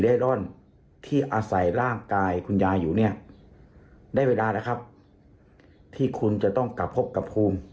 ร่อนที่อาศัยร่างกายคุณยายอยู่เนี่ยได้เวลาแล้วครับที่คุณจะต้องกลับพบกับภูมิ